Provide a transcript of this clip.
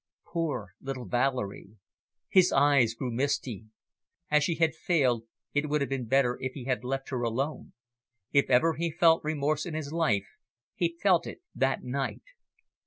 Poor little Valerie! His eyes grew misty. As she had failed, it would have been better if he had left her alone. If ever he felt remorse in his life, he felt it that night.